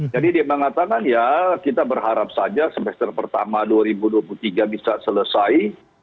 jadi di mangatangan ya kita berharap saja semester pertama dua ribu dua puluh tiga bisa selesai